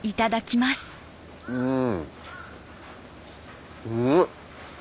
うん。